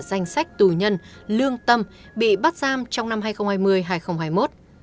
danh sách tù nhân lương tâm bị bắt giam trong năm hai nghìn hai mươi hai nghìn hai mươi một